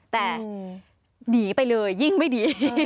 แต่หนีไปเลยยิ่งไม่ดี